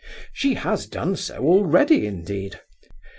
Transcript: She has done so already, indeed.